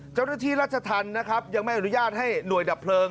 เจ้าหน้าที่รัชธรรมนะครับยังไม่อนุญาตให้หน่วยดับเพลิง